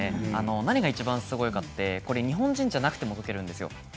何がいちばんすごいかっていうと日本人じゃなくても解けるんです。